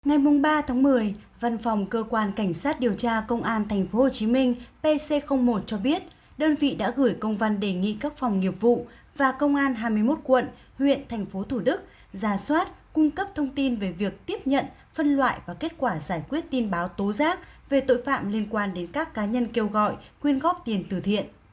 ngày ba một mươi văn phòng cơ quan cảnh sát điều tra công an tp hcm pc một cho biết đơn vị đã gửi công văn đề nghị các phòng nghiệp vụ và công an hai mươi một quận huyện tp thủ đức giả soát cung cấp thông tin về việc tiếp nhận phân loại và kết quả giải quyết tin báo tố giác về tội phạm liên quan đến các cá nhân kêu gọi quyên góp tiền từ thiện